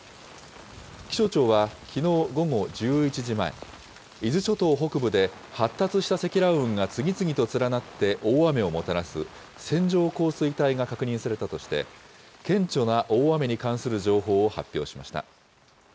気象庁は、きのう午後１１時前、伊豆諸島北部で、発達した積乱雲が次々と連なって大雨をもたらす線状降水帯が確認されたとして、顕著な大雨に関する情報を発表しました。